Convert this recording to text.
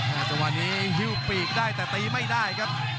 จังหวะนี้ฮิ้วปีกได้แต่ตีไม่ได้ครับ